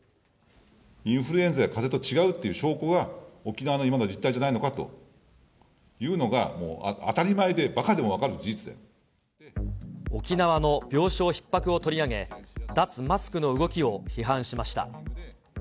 インフルエンザやかぜと違うっていう証拠が、沖縄の今の実態じゃないのかというのが当たり前で、ばかでも分か沖縄の病床ひっ迫を取り上げ、脱マスクの動きを批判しました。